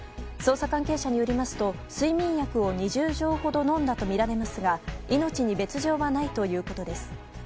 捜査関係者によりますと睡眠薬を２０錠ほど飲んだとみられますが命に別条はないということです。